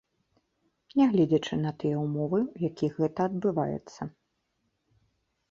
Нягледзячы на тыя ўмовы, у якіх гэта адбываецца.